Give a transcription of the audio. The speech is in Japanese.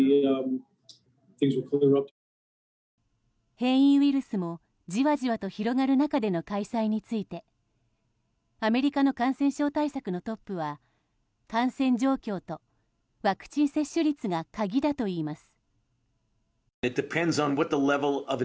変異ウイルスも、じわじわと広がる中での開催についてアメリカの感染症対策のトップは感染状況とワクチン接種率が鍵だといいます。